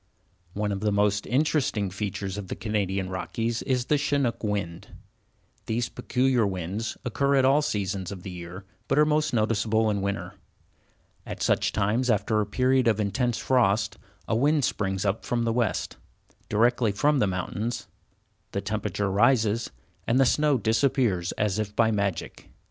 One of the most interesting features of the Canadian Rockies is the Chinook wind. These peculiar winds occur at all seasons of the year but are most noticeable in winter. At such times, after a period of intense frost, a wind springs up from the west, directly from the mountains, the temperature rises, and the snow disappears as if by magic.